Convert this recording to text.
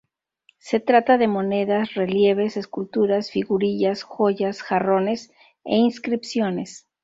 Se trata de monedas, relieves, esculturas, figurillas, joyas, jarrones e inscripciones.